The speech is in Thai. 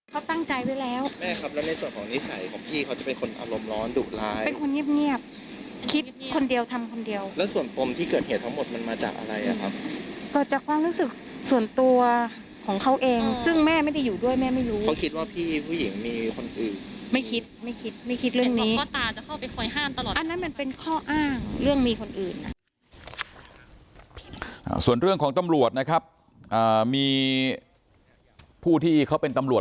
เขาตั้งใจไว้แล้วแม่ครับแล้วในส่วนของนิสัยของพี่เขาจะเป็นคนอารมณ์ร้อนดุร้ายเป็นคนเงียบเงียบคิดคนเดียวทำคนเดียวแล้วส่วนปมที่เกิดเหตุทั้งหมดมันมาจากอะไรอ่ะครับเกิดจากความรู้สึกส่วนตัวของเขาเองซึ่งแม่ไม่ได้อยู่ด้วยแม่ไม่รู้เขาคิดว่าพี่ผู้หญิงมีคนอื่นไม่คิดไม่คิดไม่คิดเรื่องนี้พ่อตาจะเข้าไปคอยห้ามตลอดอันนั้นมันเป็นข้ออ้างเรื่องมีคนอื่น